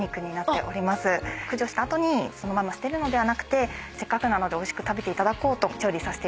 駆除した後にそのまま捨てるのではなくてせっかくなのでおいしく食べていただこうと調理しました。